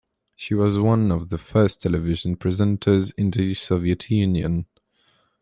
She was one of the first television presenters in the Soviet Union.